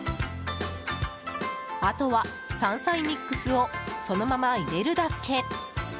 あとは山菜ミックスをそのまま入れるだけ。